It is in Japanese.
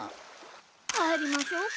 帰りましょうか。